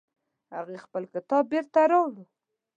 هغې خپل کتاب بیرته راوړ